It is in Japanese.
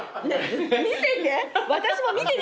見せて！